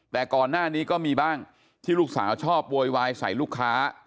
แต่ก่อนหน้านี้ก็มีบ้างที่ลูกสาวชอบโวยวายใส่ลูกค้า